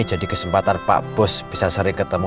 jadi hati hati impiannya sama dokter yang tadi